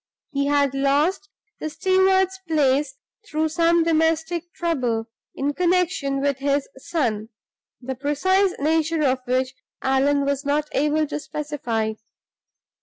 He had lost the steward's place, through some domestic trouble, in connection with his son, the precise nature of which Allan was not able to specify.